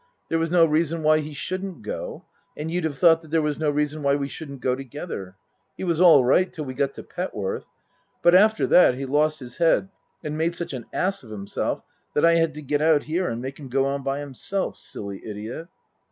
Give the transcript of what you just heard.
There was no reason why he shouldn't go. And you'd have thought there was no reason why we shouldn't go together. He was all right till we got to Pet worth. But after that he lost his head and made such an ass of him self that I had to get out here and make him go on by himself. Silly idiot